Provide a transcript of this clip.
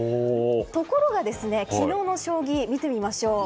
ところが、昨日の将棋を見てみましょう。